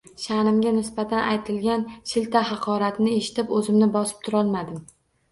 Sha’nimga nisbatan aytilgan shilta haqoratni eshitib, o‘zimni bosib turolmadim